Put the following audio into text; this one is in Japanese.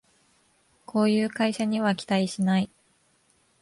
こういう会社には期待しない